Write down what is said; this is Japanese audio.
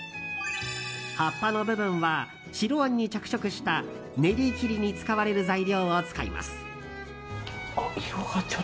葉っぱの部分は白あんに着色した練り切りに使われる材料を使います。